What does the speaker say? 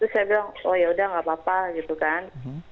terus saya bilang oh yaudah gak apa apa gitu kan